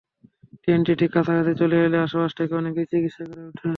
ট্রেনটি ঠিক কাছাকাছি চলে এলে আশপাশ থেকে অনেকেই চিৎকার করে ওঠে।